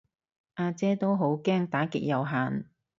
呀姐都驚好打極有限